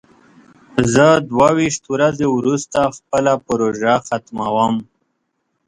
زه دوه ویشت ورځې وروسته خپله پروژه ختموم.